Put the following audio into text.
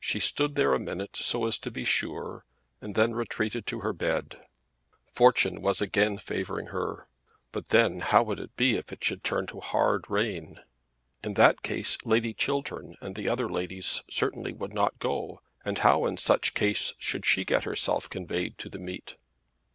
She stood there a minute so as to be sure and then retreated to her bed. Fortune was again favouring her; but then how would it be if it should turn to hard rain? In that case Lady Chiltern and the other ladies certainly would not go, and how in such case should she get herself conveyed to the meet?